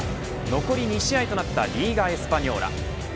残り２試合となったリーガエスパニョーラ。